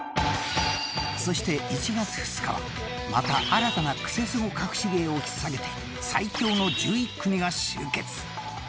［そして１月２日はまた新たなクセスゴかくし芸を引っ提げて最強の１１組が集結］